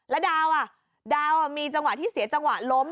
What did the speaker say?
แล้วดาวดาวมีจังหวะที่เสียจังหวะล้ม